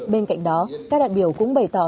bên cạnh đó các đại biểu cũng bày tỏ